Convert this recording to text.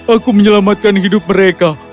aku menyelamatkan hidup mereka